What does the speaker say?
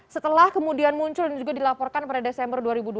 setelah kemudian muncul dan juga dilaporkan pada desember dua ribu dua puluh